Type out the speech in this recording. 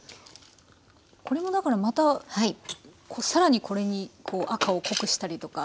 これもだからまた更にこれに赤を濃くしたりとか。